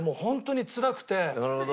なるほど。